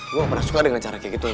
gue pernah suka dengan cara kayak gitu